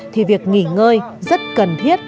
thì việc nghỉ ngơi rất cần thiết